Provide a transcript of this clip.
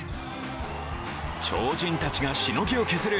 超人たちがしのぎを削る